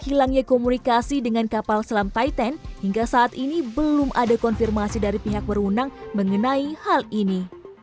hilangnya komunikasi dengan kapal selam titan hingga saat ini belum ada konfirmasi dari pihak berwenang mengenai hal ini